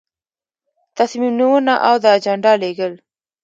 تصمیم نیونه او د اجنډا لیږل.